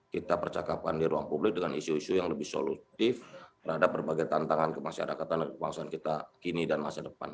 kita percakapan di ruang publik dengan isu isu yang lebih solutif terhadap berbagai tantangan kemasyarakatan dan kebangsaan kita kini dan masa depan